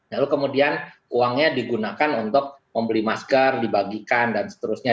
lalu kemudian uangnya digunakan untuk membeli masker dibagikan dan seterusnya